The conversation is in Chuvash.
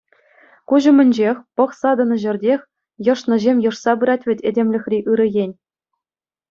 Куҫ умӗнчех, пӑхса тӑнӑ ҫӗртех йӑшнӑҫем йӑшса пырать вӗт этемлӗхри ырӑ ен.